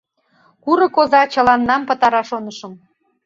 Курык оза чыланам пытара, шонышым.